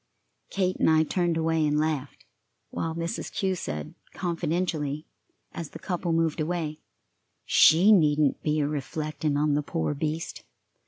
Kate and I turned away and laughed, while Mrs. Kew said, confidentially, as the couple moved away: "She needn't be a reflectin' on the poor beast.